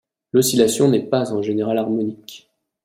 L'oscillation n'est pas en général harmonique.